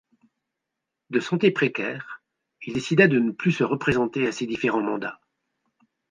De santé précaire, il décida de ne plus se représenter à ses différents mandats.